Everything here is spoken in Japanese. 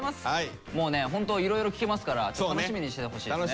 もうねホントいろいろ聞けますから楽しみにしててほしいですね。